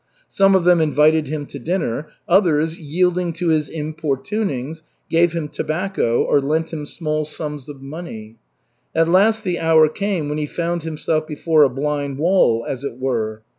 Some of them invited him to dinner, others, yielding to his importunings, gave him tobacco or lent him small sums of money. At last the hour came when he found himself before a blind wall, as it were.